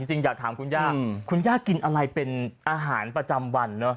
จริงอยากถามคุณย่าคุณย่ากินอะไรเป็นอาหารประจำวันเนอะ